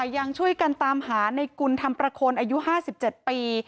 ยังช่วยกันตามหาในกุลธรรมประโคนอายุ๕๗ปี